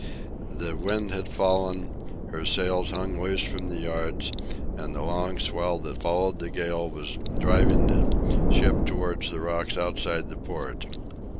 The wind had fallen; her sails hung loose from the yards, and the long swell that followed the gale was driving the ship towards the rocks outside the port.